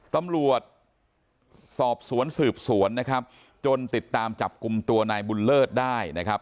ตำรวจสอบสวนสืบสวนนะครับจนติดตามจับกลุ่มตัวนายบุญเลิศได้นะครับ